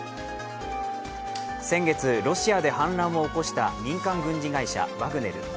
先月、ロシアで反乱を起こした民間軍事会社ワグネル。